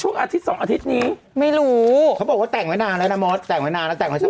อันนี้พูดถึงแกร่งเพราะว่านี้นักจับคล่องสิ